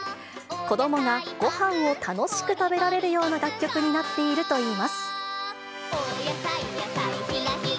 子どもがごはんを楽しく食べられるような楽曲になっているといいます。